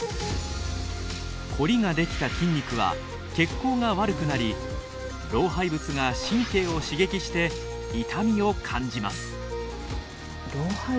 コリが出来た筋肉は血行が悪くなり老廃物が神経を刺激して痛みを感じます。